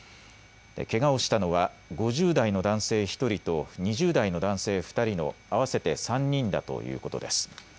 けがをしたのは５０代の男性１人と２０代の男性２人の合わせて３人だということです。